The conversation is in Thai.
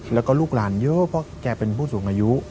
แล้วก็ลูกหลานเยอะเพราะแกเป็นผู้สูงอายุ